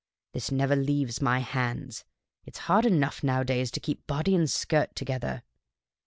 This never leaves my hands. It 's hard enough nowadays to keep body and skirt together.